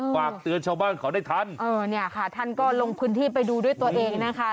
ฝากเตือนชาวบ้านเขาได้ทันเออเนี่ยค่ะท่านก็ลงพื้นที่ไปดูด้วยตัวเองนะคะ